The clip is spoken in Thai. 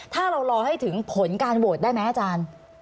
ถ้าเรารอให้ถึงผลการโหวตได้ไหมอาจารย์